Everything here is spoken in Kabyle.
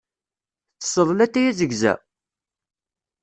Tettesseḍ latay azegza?